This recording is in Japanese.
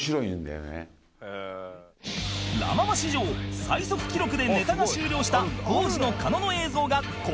ラ・ママ史上最速記録でネタが終了した当時の狩野の映像がこちら